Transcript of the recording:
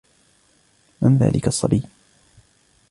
من ذلك الصبي ؟